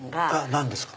何ですか？